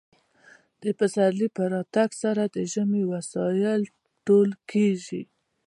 د پسرلي په راتګ سره د ژمي وسایل ټول کیږي